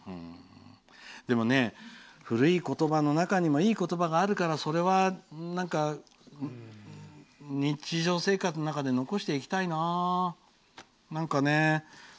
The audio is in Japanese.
でもね、古い言葉の中にもいい言葉もあるからそれは、日常生活の中で残して生きたいな。